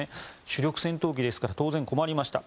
主力戦闘機ですから当然、困りました。